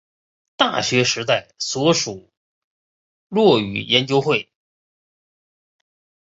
大学时代所属落语研究会。